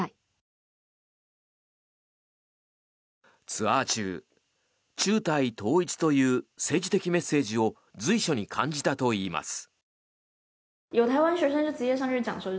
ツアー中、中台統一という政治的メッセージを随所に感じたといいます。